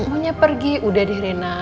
buahnya pergi udah deh reina